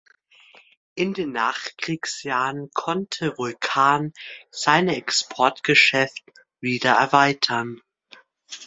In den Nachkriegsjahren konnte Vulcan seine Exportgeschäft wieder erweitern.